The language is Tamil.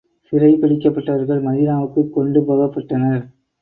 சிறை பிடிக்கப்பட்டவர்கள் மதீனாவுக்குக் கொண்டு போகப்பட்டனர்.